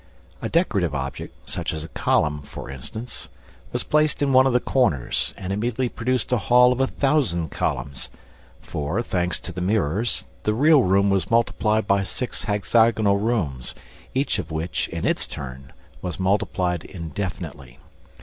A decorative object, such as a column, for instance, was placed in one of the corners and immediately produced a hall of a thousand columns; for, thanks to the mirrors, the real room was multiplied by six hexagonal rooms, each of which, in its turn, was multiplied indefinitely.